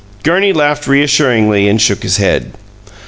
Gurney laughed reassuringly, and shook his head.